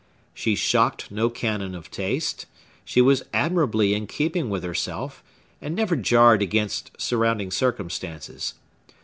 She shocked no canon of taste; she was admirably in keeping with herself, and never jarred against surrounding circumstances.